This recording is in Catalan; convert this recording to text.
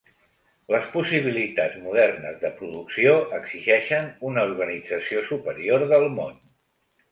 Les possibilitats modernes de producció exigeixen una organització superior del món.